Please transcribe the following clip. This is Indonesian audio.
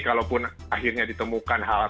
kalau pun akhirnya ditemukan hal hal